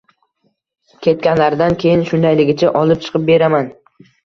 Ketganlaridan keyin shundayligicha olib chiqib beraman